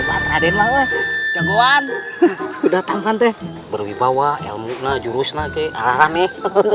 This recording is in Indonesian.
kemarin banget jagoan udah tangan teh berwibawa ilmu naju rusna cewek ala ala nih